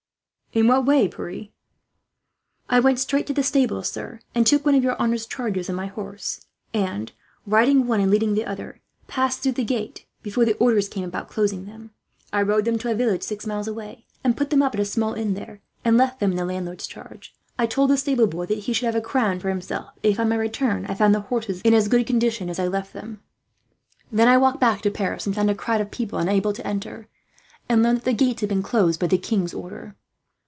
"In what way, Pierre?" "I went straight to the stables, sir, and took one of your honour's chargers and my horse and, riding one and leading the other, passed out through the gate before the orders came about closing. I rode them to a village, six miles away; and put them up at a small inn there, and left them in the landlord's charge. I did not forget to tell the stable boy that he should have a crown for himself if, on my return, I found the horses in as good condition as I left them. "Then I walked back to Paris, and found a crowd of people unable to enter, and learned that the gates had been closed by the king's order.